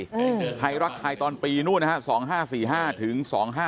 เป็นไทรรักไทยไทรรักไทยตอนปี๒๕๔๕ถึง๒๕๕๐